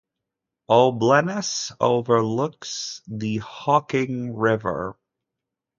O'Bleness overlooks the Hocking River.